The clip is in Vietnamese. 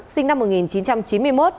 sinh năm một nghìn chín trăm chín mươi một